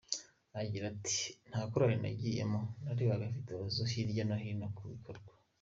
Agira ati “Nta Korali nagiyemo, narebaga video zo hirya no hino uko bikorwa.